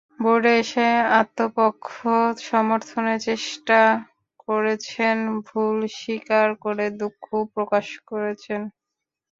বোর্ডে এসে আত্মপক্ষ সমর্থনের চেষ্টা করেছেন, ভুল স্বীকার করে দুঃখও প্রকাশ করেছেন।